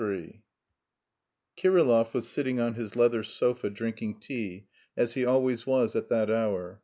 III Kirillov was sitting on his leather sofa drinking tea, as he always was at that hour.